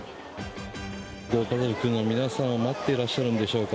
ご家族の皆さんを待っていらっしゃるんでしょうか。